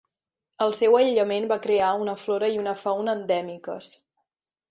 El seu aïllament va crear una flora i una fauna endèmiques.